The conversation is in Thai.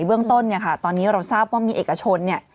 เบื้องต้นตอนนี้เราทราบว่ามีเอกชน